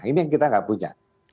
ini yang kita nggak punya